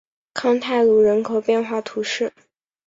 康泰卢人口变化图示